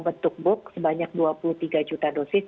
bentuk book sebanyak dua puluh tiga juta dosis